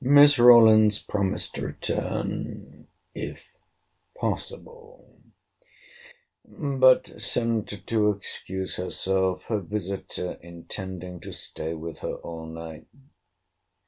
Miss Rawlins promised to return, if possible: but sent to excuse herself: her visiter intending to stay with her all night.